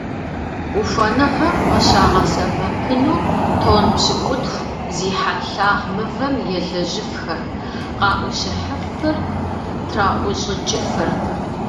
Ухуэныгъэм къыщагъэсэбэпыну тонн пщыкӏутху зи хьэлъагъ мывэм елэжьыфхэрт, къаӏущӏыхьыфырт, траӏущӏыкӏыфырт.